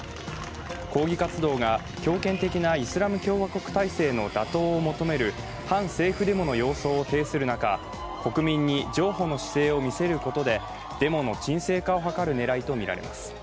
抗議活動が強権的なイスラム共和国体制の打倒を求める反政府デモの様相を呈する中国民に譲歩の姿勢を見せることでデモの沈静化を図る狙いとみられます。